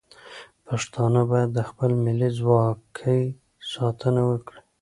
پښتانه باید د خپل ملي خپلواکۍ ساتنه وکړي.